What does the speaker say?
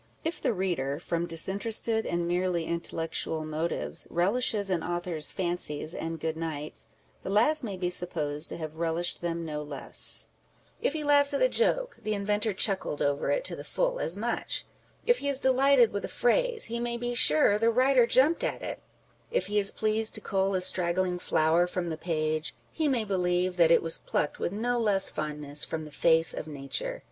If the reader, from disinterested and merely intellectual motives, relishes an author's " fancies and good nights," the last may be supposed to have relished them no less. If he laughs at a joke, the inventor chuckled over it to the full as much. If he is delighted with a phrase, he may be sure the writer jumped at it ; if he is pleased to cull a straggling flower from the page, he may believe that it was plucked with no less fondness from the face of nature.